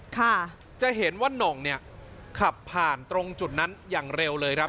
ค่ะจะเห็นว่าน่องเนี่ยขับผ่านตรงจุดนั้นอย่างเร็วเลยครับ